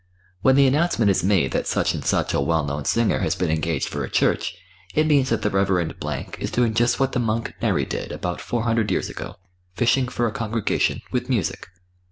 When the announcement is made that such and such a well known singer has been engaged for a church it means that the Reverend is doing just what the monk, Neri, did, about four hundred years ago fishing for a congregation with music.